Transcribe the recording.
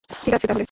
ঠিক আছে তাহলে।